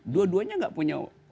dua duanya nggak punya